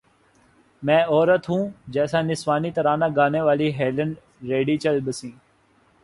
میں عورت ہوں جیسا نسوانی ترانہ گانے والی ہیلن ریڈی چل بسیں